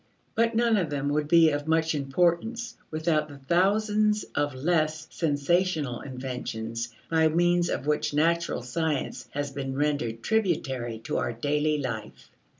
But none of them would be of much importance without the thousands of less sensational inventions by means of which natural science has been rendered tributary to our daily life.